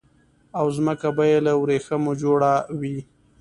او ځمکه به يي له وريښمو جوړه وي